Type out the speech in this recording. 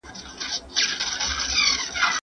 ایا بهرني سوداګر وچ توت اخلي؟